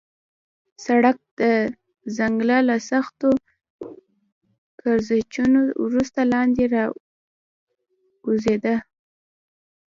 سړک د ځنګله له سختو کږلېچونو وروسته لاندې راکوزېده.